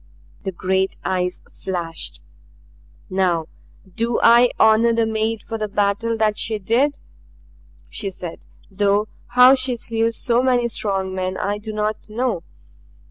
The great eyes flashed. "Now do I honor the maid for the battle that she did," she said, "though how she slew so many strong men I do not know.